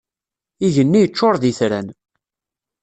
Igenni yeččur d itran.